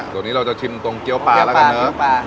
ตรงนี้เราจะชิมตรงเกี๊ยวปลาระกันเนอะ